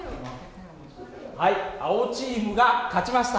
はい青チームが勝ちました。